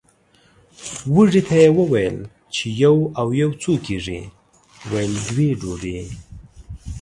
وږي ته یې وویل یو او یو څو کېږي ویل دوې ډوډۍ!